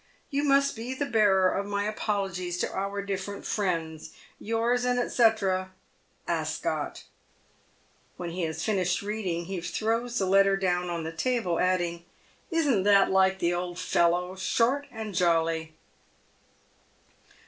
You must be the bearer of my apologies to our different friends. Yours, &c, "< Ascot.' " When he has finished reading, he throws the letter down on the table, adding, " Isn't that like the old fellow — short and jolly